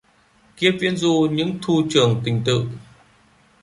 Kiếp viễn du những thu trường tình tự